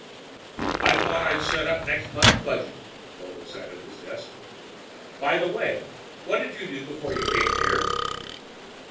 "Thought I'd set up next month's budget." Vogel sat at his desk. "By the way, what did you do before you came here?"